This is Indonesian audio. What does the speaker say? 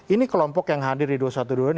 ini kelompok yang hadir di dua ratus dua belas ini